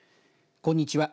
こんにちは。